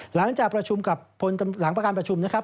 หลังจากประชุมกับผลหลังประการประชุมนะครับ